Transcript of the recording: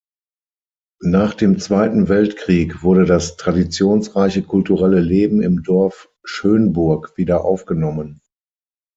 Nach dem Zweiten Weltkrieg wurde das traditionsreiche kulturelle Leben im Dorf Schönburg wieder aufgenommen.